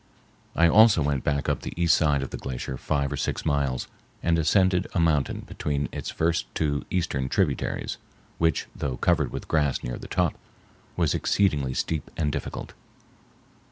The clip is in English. I also went back up the east side of the glacier five or six miles and ascended a mountain between its first two eastern tributaries, which, though covered with grass near the top, was exceedingly steep and difficult.